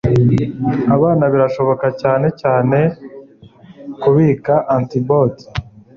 Abana birashoboka cyane cyane kubika antibodi,